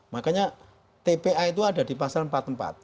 makanya tpa itu ada di pasal empat puluh empat